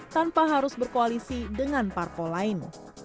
tanpa harus berkoalisi dengan parpol lain